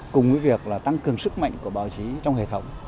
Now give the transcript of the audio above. cùng với việc là tăng cường sức mạnh của báo chí trong hệ thống